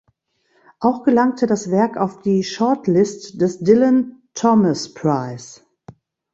Auch gelangte das Werk auf die Shortlist des Dylan Thomas Prize.